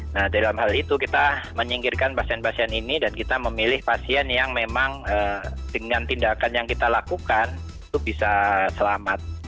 nah dalam hal itu kita menyingkirkan pasien pasien ini dan kita memilih pasien yang memang dengan tindakan yang kita lakukan itu bisa selamat